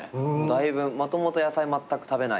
もともと野菜まったく食べないとか。